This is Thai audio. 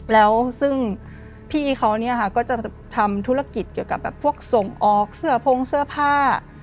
แล้วซึ่งพี่เขาเนี่ยค่ะก็จะทำธุรกิจเกี่ยวกับแบบพวกส่งออกเสื้อโพงเสื้อผ้า